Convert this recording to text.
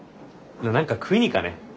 何か食いに行かね？